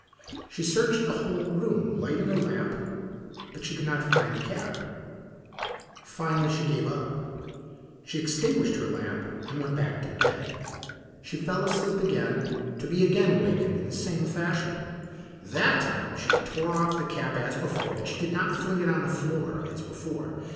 She searched the whole room, lighting her lamp, but she could not find the cap. Finally she gave it up. She extinguished her lamp and went back to bed. She fell asleep again, to be again awakened in the same fashion. That time she tore off the cap as before, but she did not fling it on the floor as before.